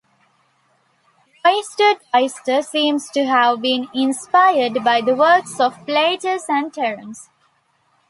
Roister Doister seems to have been inspired by the works of Plautus and Terence.